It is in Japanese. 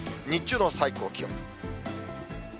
日中の最高気温。